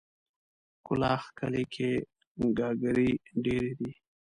کلاخ کلي کې ګاګرې ډېرې دي.